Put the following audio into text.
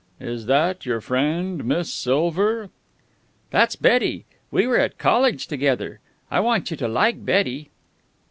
"Is that your friend, Miss Silver?" "That's Betty. We were at college together. I want you to like Betty."